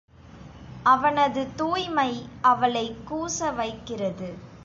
அவனது தூய்மை அவளைக் கூச வைக்கிறது.